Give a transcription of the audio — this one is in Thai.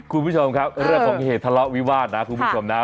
คุณผู้ชมครับเรื่องของเหตุทะเลาะวิวาสนะคุณผู้ชมนะ